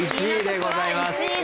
１位でございます。